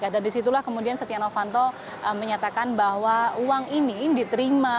dan disitulah kemudian setia novanto menyatakan bahwa uang ini diterima